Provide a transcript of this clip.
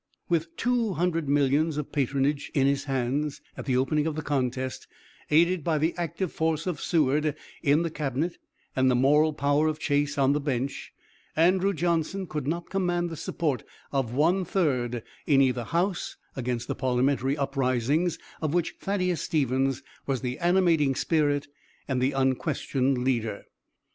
With two hundred millions of patronage in his hands at the opening of the contest, aided by the active force of Seward in the Cabinet, and the moral power of Chase on the bench, Andrew Johnson could not command the support of one third in either House against the parliamentary uprising of which Thaddeus Stevens was the animating spirit and the unquestioned leader.